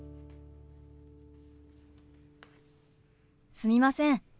すみません。